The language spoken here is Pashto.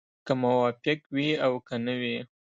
که موفق وي او که نه وي.